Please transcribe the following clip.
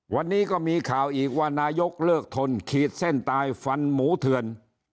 วันนี้ก็มีข่าวอีกว่านายกเลิกทนขีดเส้นตายฟันหมูเถื่อน